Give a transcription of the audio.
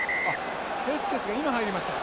ヘスケスが今入りました。